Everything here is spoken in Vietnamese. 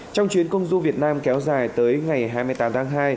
trong chuyến công du việt nam kéo dài tới ngày hai mươi tám tháng hai